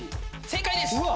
正解です！